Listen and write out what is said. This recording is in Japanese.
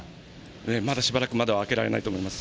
まだしばらく窓は開けられないと思います。